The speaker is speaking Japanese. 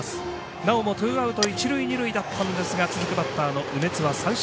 なおもツーアウト一塁二塁だったんですが続くバッターの梅津は三振。